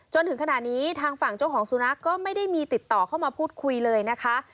จนถึงขณะนี้ทางฝั่งเจ้าของสุนัขก็ไม่ได้มีติดต่อเข้ามาพูดคุยเลยนะคะ